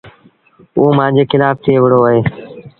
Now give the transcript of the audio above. اوٚ مآݩجي کلآڦ ٿئي وهُڙو اهي۔